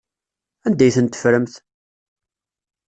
Anda ay tent-teffremt?